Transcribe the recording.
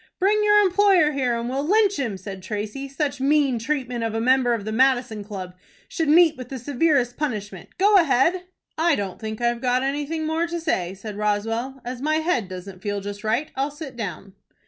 "Bring your employer here, and we'll lynch him," said Tracy. "Such mean treatment of a member of the Madison Club should meet with the severest punishment. Go ahead." "I don't think I've got anything more to say," said Roswell. "As my head doesn't feel just right, I'll sit down."